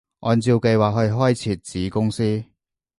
按照計劃去開設子公司